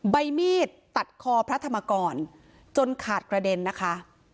ใบมีดตัดคอพระธรรมกรจนขาดกระเด็นนะคะ